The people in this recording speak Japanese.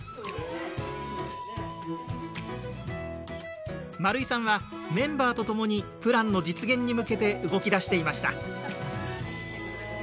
圓井さんはメンバーと共にプランの実現に向けて動き出していました。